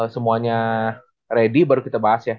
semuanya ready baru kita bahas ya